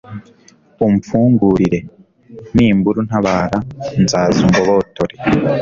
umfungurire; nimbura untabara, nzaza ungobotore